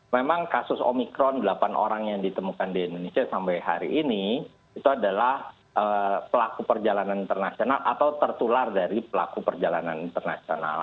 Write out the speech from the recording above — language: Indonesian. memang kasus omikron delapan orang yang ditemukan di indonesia sampai hari ini itu adalah pelaku perjalanan internasional atau tertular dari pelaku perjalanan internasional